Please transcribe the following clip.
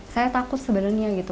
saya takut sebenarnya gitu